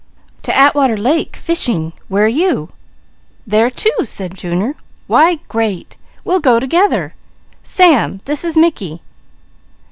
"To Atwater Lake, fishing. Where you?" "There too!" said Junior. "Why great! We'll go together! Sam, this is Mickey."